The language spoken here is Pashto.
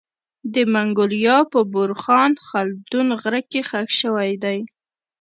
د منګولیا په بورخان خلدون غره کي خښ سوی دی